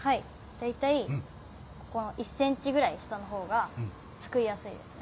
大体、この１センチぐらい下のほうがすくいやすいですね。